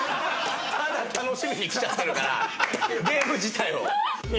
ただ楽しみに来ちゃってるからゲーム自体を。